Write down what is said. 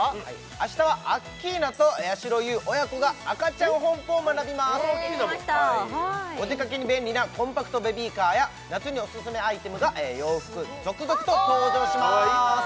あしたはアッキーナとやしろ優親子がアカチャンホンポを学びますお出かけに便利なコンパクトベビーカーや夏にオススメアイテム洋服続々と登場します